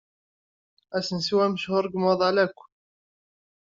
Asensu-a mechuṛ deg umaḍal akk.